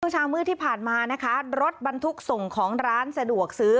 เช้ามืดที่ผ่านมานะคะรถบรรทุกส่งของร้านสะดวกซื้อ